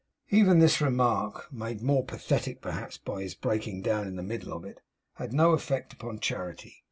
Even this remark, made more pathetic perhaps by his breaking down in the middle of it, had no effect upon Charity.